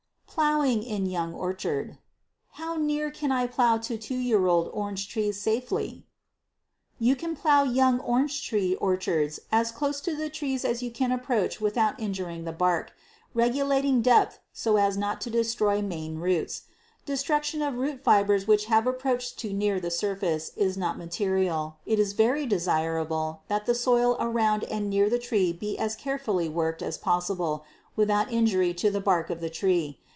Plowing in Young Orchard. How near can I plow to two year old orange trees safely? You can plow young orange orchards as close to the trees as you can approach without injuring the bark, regulating depth so as not to destroy main roots. Destruction of root fibers which have approached too near the surface is not material. It is very desirable that the soil around and near the tree be as carefully worked as possible without injury to the bark of the tree.